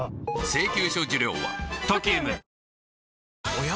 おや？